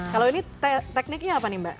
kalau ini tekniknya apa nih mbak